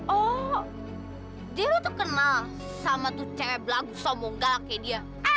oh dia lo tuh kenal sama tuh cewek belagu sombong galak kayak dia